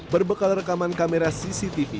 berbekal rekaman kamera cctv